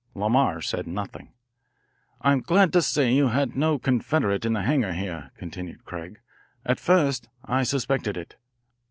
Lamar said nothing. "I'm glad to say you had no confederate in the hangar here," continued Craig. "At first I suspected it.